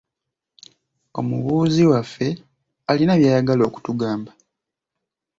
Omubuuzi waffe alina by'ayagala okutugamba.